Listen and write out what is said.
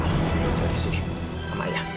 lara mau tunggu ibu